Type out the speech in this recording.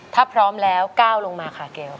ถ้าพร้อมแล้วก้าวลงมาค่ะเกล